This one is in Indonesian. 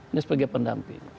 ini sebagai pendamping